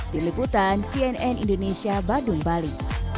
diliputan cnn indonesia badung bali